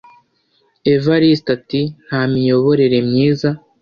Evariste ati “nta miyoborere myiza